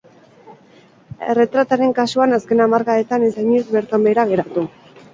Erretretaren kasuan, azken hamarkadetan ez da inoiz bertan behera geratu.